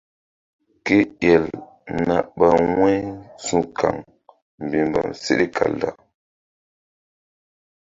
Ke el na ɓa wu̧y su̧kaŋ mbihmbam seɗe kal da.